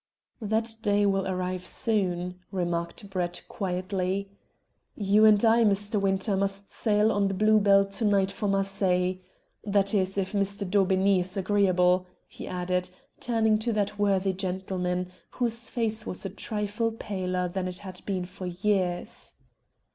"That day will arrive soon," remarked Brett quietly. "You and I, Mr. Winter, must sail on the Blue Bell to night for Marseilles. That is, if Mr. Daubeney is agreeable," he added, turning to that worthy gentleman, whose face was a trifle paler than it had been for years.